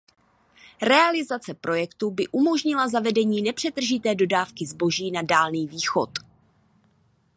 Realizace projektu by umožnila zavedení nepřetržité dodávky zboží na Dálný východ.